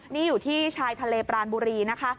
นี่อยู่ที่ชายทะเลปรานบุรีนะคะ